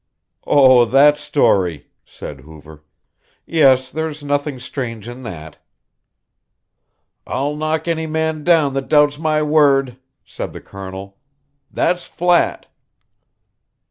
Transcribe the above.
"Oh, that story," said Hoover; "yes, there's nothing strange in that." "I'll knock any man down that doubts my word," said the Colonel, "that's flat."